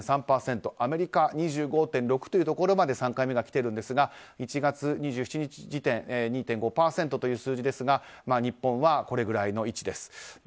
アメリカは２５．６というところまで３回目がきているんですが１月２７日時点で２．５％という数字ですが日本はこれぐらいの位置です。